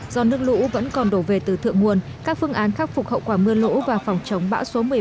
do nước lũ vẫn còn đổ về từ thượng nguồn các phương án khắc phục hậu quả mưa lũ và phòng chống bão số một mươi ba